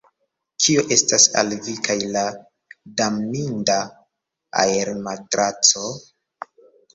Kio estas al vi kaj la damninda aermatraco?